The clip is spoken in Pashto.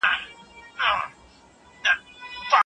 ما په دغه کتاب کي د ارمانونو د پوره کېدو لارې ولوسهمېشهې.